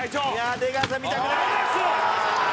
「出川さん見たくない」「ああー！」